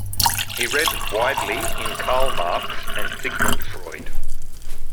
He read widely in Karl Marx and Sigmund Freud.